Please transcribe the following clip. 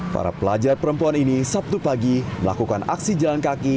para pelajar perempuan ini sabtu pagi melakukan aksi jalan kaki